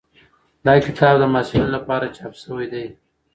دا کتاب د محصلینو لپاره چاپ شوی دی.